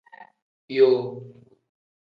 Yoo.